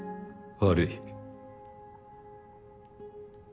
悪い。